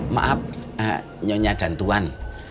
maaf nyonya dan tuan